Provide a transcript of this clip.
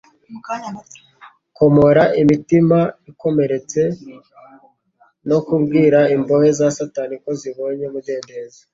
komora imitima ikomeretse no kubwira imbohe za Satani ko zibonye umudendezo.